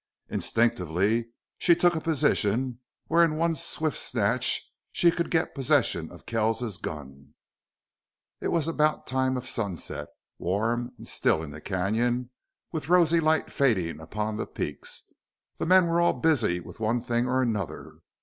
Instinctively she took a position where in one swift snatch she could get possession of Kells's gun. It was about time of sunset, warm and still in the canon, with rosy lights fading upon the peaks. The men were all busy with one thing and another.